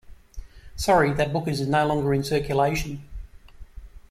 Sorry, that book is no longer in circulation.